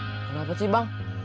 kenapa sih bang